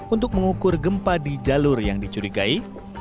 untuk mengukur gempa di jalur yang dicurigai